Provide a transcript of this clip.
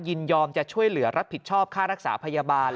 ยินยอมจะช่วยเหลือรับผิดชอบค่ารักษาพยาบาล